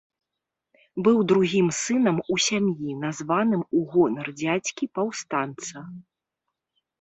Быў другім сынам у сям'і, названым у гонар дзядзькі-паўстанца.